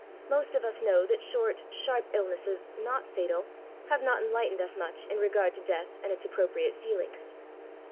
Most of us know that short, sharp ill* nesses, not fatal, have not enlightened us much in regard to death and its appropriate feelings.